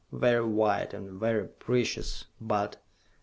Very white, and very precious, but....